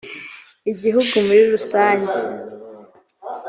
igihugu muri rusange